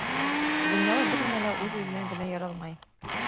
Донъяла бер нәмә лә үҙ-үҙенән генә яралмай.